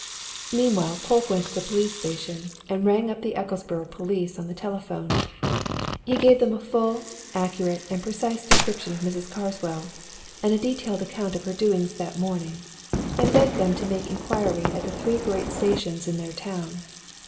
Meanwhile Polke went to the police station and rang up the Ecclesborough police on the telephone. He gave them a full, accurate, and precise description of Mrs. Carswell, and a detailed account of her doings that morning, and begged them to make inquiry at the three great stations in their town.